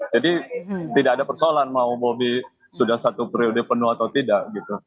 jadi tidak ada persoalan mau bobi sudah satu periodenya penuh atau tidak gitu